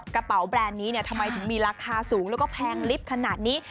กระเป๋าแบรนด์นี้ทำไมถึงมีราคาสูงแล้วก็แพงลิฟต์ขนาดนี้